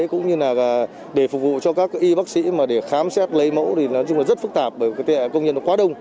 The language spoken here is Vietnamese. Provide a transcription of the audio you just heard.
cũng như là để phục vụ cho các y bác sĩ mà để khám xét lấy mẫu thì nói chung là rất phức tạp bởi công nhân nó quá đông